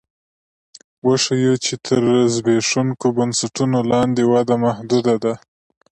وښیو چې تر زبېښونکو بنسټونو لاندې وده محدوده ده